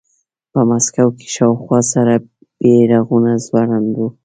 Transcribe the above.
په مسکو کې شاوخوا سره بیرغونه ځوړند وو